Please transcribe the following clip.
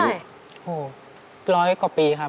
โอ้โหร้อยกว่าปีครับ